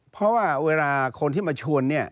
เพราะว่าเวลาคนที่มาชวนเนี่ย